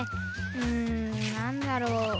んなんだろう？